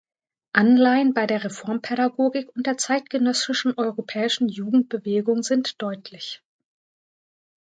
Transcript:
Anleihen bei der Reformpädagogik und der zeitgenössischen europäischen Jugendbewegung sind deutlich.